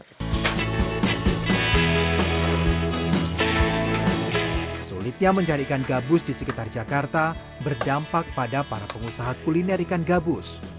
kesulitan mencari ikan gabus di sekitar jakarta berdampak pada para pengusaha kuliner ikan gabus